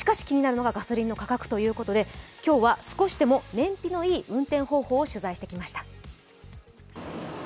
しかし、気になるのがガソリンの価格ということで今日は少しでも燃費のいい運転方法を取材してきました。